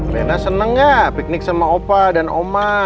lena seneng gak piknik sama opa dan oma